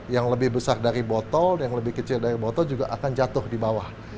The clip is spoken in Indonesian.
yang lebih besar dari botol yang lebih kecil dari botol juga akan jatuh di bawah